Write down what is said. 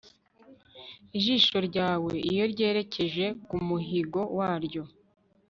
ijisho ryawe, iyo ryerekeje ku muhigo waryo